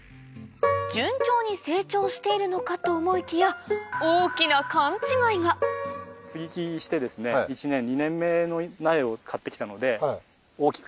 順調に成長しているのかと思いきや接ぎ木して１年２年目の苗を買ってきたので。